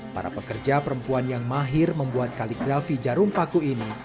para pekerja perempuan yang mahir membuat kaligrafi jarum paku ini